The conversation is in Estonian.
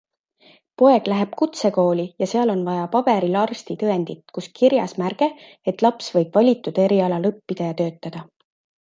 Poeg läheb kutsekooli ja seal on vaja paberil arstitõendit, kus kirjas märge, et laps võib valitud erialal õppida ja töötada.